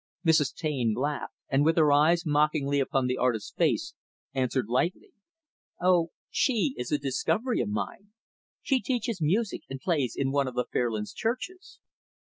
Mrs. Taine laughed, and, with her eyes mockingly upon the artist's face answered lightly, "Oh, she is a discovery of mine. She teaches music, and plays in one of the Fairlands churches."